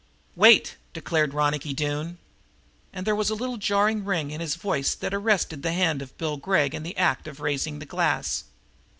"Wait!" declared Ronicky Doone. And there was a little jarring ring in his voice that arrested the hand of Bill Gregg in the very act of raising the glass.